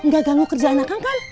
gak ganggu kerjaan akang kan